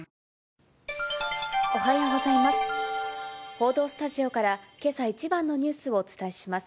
報道スタジオから、けさ一番のニュースをお伝えします。